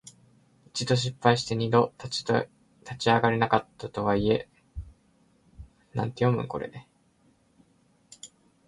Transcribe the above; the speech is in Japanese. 一度失敗して二度と立ち上がれないたとえ。「蹶」はつまずく意。